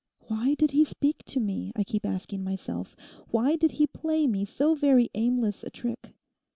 Why did he speak to me, I keep asking myself. Why did he play me so very aimless a trick?